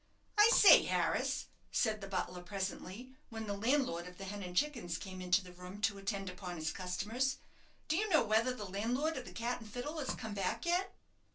"I say, Harris," said the butler, presently, when the landlord of the "Hen and Chickens" came into the room to attend upon his customers, "do you know whether the landlord of the 'Cat and Fiddle' has come back yet?"